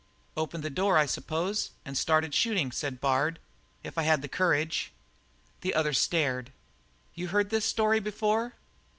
"Opened the door, I suppose, and started shooting," said Bard, "if I had the courage." The other stared at him. "You heard this story before?"